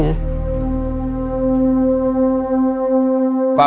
ว่าไม่ได้เงินซื้อมา